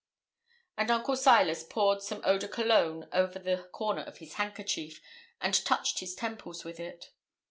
And Uncle Silas poured some eau de cologne over the corner of his handkerchief, and touched his temples with it.